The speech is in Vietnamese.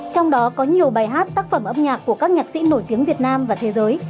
trong đó có nhiều bài hát tác phẩm âm nhạc của các nhạc sĩ nổi tiếng việt nam và thế giới